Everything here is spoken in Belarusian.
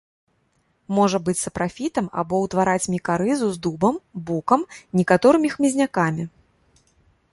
Можа быць сапрафітам або ўтвараць мікарызу з дубам, букам, некаторымі хмызнякамі.